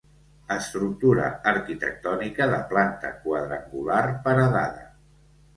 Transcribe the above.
Estructura arquitectònica de planta quadrangular, paredada.